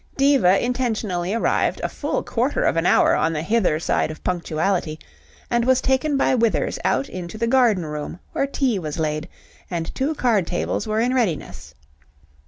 ... Diva intentionally arrived a full quarter of an hour on the hither side of punctuality, and was taken by Withers out into the garden room, where tea was laid, and two card tables were in readiness.